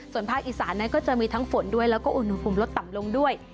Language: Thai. ส่วนภาคอีสานนั้นก็จะมีทั้งฝนด้วยแล้วก็อุณหภูมิลดต่ำลงด้วย